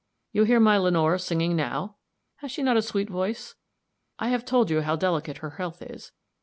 You hear my Lenore singing now has she not a sweet voice? I have told you how delicate her health is.